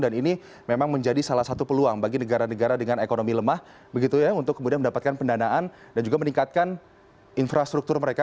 dan ini memang menjadi salah satu peluang bagi negara negara dengan ekonomi lemah begitu ya untuk kemudian mendapatkan pendanaan dan juga meningkatkan infrastruktur mereka